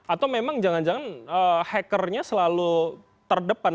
atau memang jangan jangan hacker nya selalu terdepan